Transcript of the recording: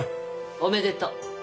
おめでとう。